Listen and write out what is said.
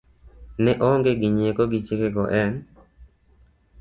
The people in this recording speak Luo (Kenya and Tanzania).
ne oonge gi nyiego gi chike go en